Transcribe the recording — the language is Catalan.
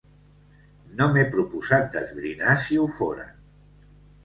No m’he proposat d’esbrinar si ho foren.